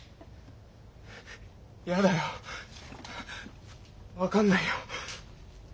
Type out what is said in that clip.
嫌だよ分かんないよ。